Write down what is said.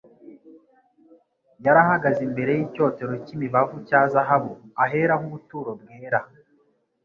Yari ahagaze imbere y'icyotero cy'imibavu cya zahabu ahera h'ubuturo bwera.